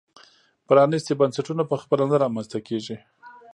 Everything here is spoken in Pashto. پرانیستي بنسټونه په خپله نه رامنځته کېږي.